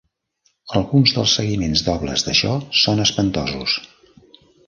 Alguns dels seguiments dobles d'això són espantosos.